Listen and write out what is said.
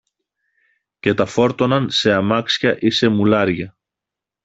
και τα φόρτωναν σε αμάξια ή σε μουλάρια